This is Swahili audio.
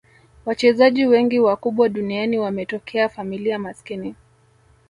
wachezaji wengi wakubwa duniani wametokea familia maskini